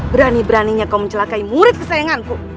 berani beraninya kau mencelakai murid kesayanganku